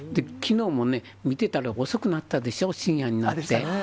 きのうも見てたら遅くなったでしょ、深夜になって。